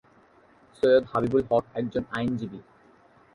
সৈয়দ হাবিবুল হক একজন আইনজীবী।